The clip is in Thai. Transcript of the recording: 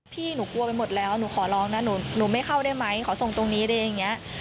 พี่หนูกลัวไปหมดแล้วหนูขอร้องนะหนูไม่เข้าได้ไหมขอส่งตรงนี้อะไรอย่างนี้